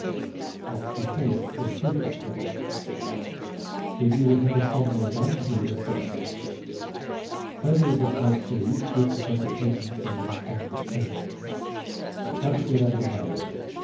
"Not to be foolish" (or stupid, etc.). "If you would have a thing well done, do it yourself." Failures of type (2), crude interpretations stated in concrete terms: "How to get out of the mud."